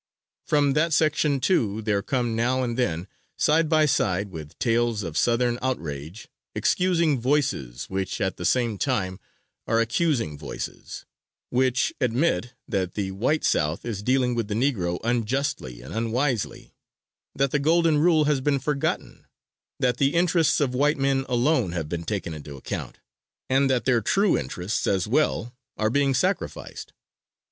From that section, too, there come now and then, side by side with tales of Southern outrage, excusing voices, which at the same time are accusing voices; which admit that the white South is dealing with the Negro unjustly and unwisely; that the Golden Rule has been forgotten; that the interests of white men alone have been taken into account, and that their true interests as well are being sacrificed.